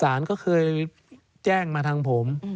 สารก็เคยแจ้งมาทางผม